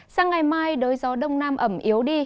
sang ngày mai đới gió đông nam ẩm yếu đi